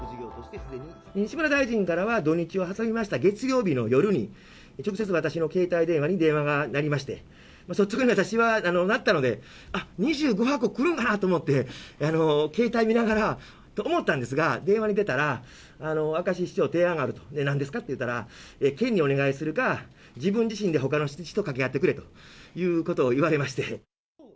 西村大臣からは土日を挟みました月曜日の夜に、直接私の携帯電話に電話が鳴りまして、率直に私は鳴ったので、あっ、２５箱来るのかなと思って、携帯見ながら思ったんですが、電話に出たら、明石市長、提案があると、なんですかって言ったら、県にお願いするか、自分自身でほかの市と掛け合ってくれということを言われまして。